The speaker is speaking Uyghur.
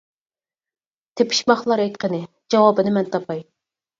تېپىشماقلار ئېيت قېنى، جاۋابىنى مەن تاپاي.